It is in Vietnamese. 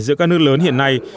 giữa các nước lớn hiện nay